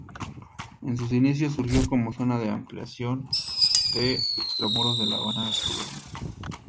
En sus inicios surgió como zona de ampliación de extramuros de la Habana colonial.